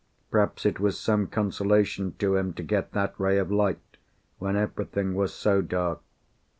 Perhaps it was some consolation to him to get that ray of light when everything was so dark.